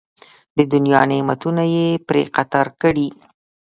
د دنیا نعمتونه یې پرې قطار کړي.